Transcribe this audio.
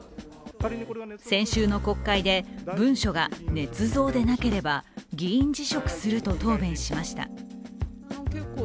先週の国会で、文書がねつ造でなければ議員辞職すると答弁しました。